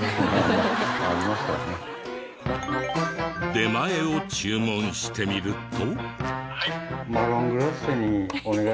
出前を注文してみると。